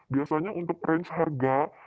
biasanya untuk range harga